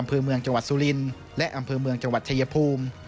อำเภอเมืองจังหวัดสุรินและอำเภอเมืองจังหวัดชายภูมิ